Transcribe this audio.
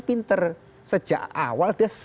pinter sejak awal dia